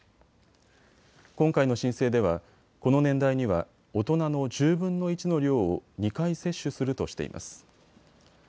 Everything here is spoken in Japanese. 今回の申請ではこの年代には大人の１０分の１の量を２回接種するとしています。